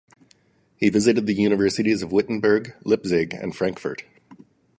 He visited the universities of Wittenberg, Leipzig and Frankfurt.